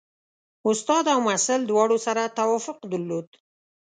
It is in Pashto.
استاد او محصل دواړو سره توافق درلود.